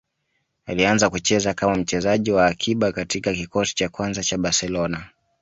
Alianza kucheza kama mchezaji wa akiba katika kikosi cha kwanza cha Barcelona